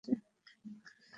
না, আমি পুরো ফিট আছি।